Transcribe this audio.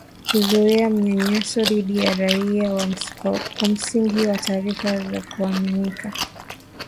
kuzuia manyanyaso dhidi ya raia kwa msingi wa taarifa za kuaminika